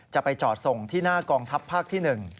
จะไปจอดส่งที่หน้ากองทัพภาคที่๑